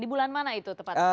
di bulan mana itu tepatnya